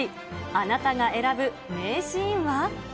あなたが選ぶ名シーンは？